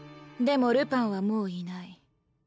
でもルパンはもういない。